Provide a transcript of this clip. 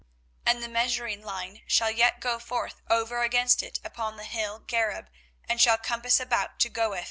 24:031:039 And the measuring line shall yet go forth over against it upon the hill Gareb, and shall compass about to Goath.